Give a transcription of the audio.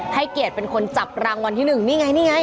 ให้เกียรติเป็นคนจับรางวัลที่๑นี่ไงนี่ไง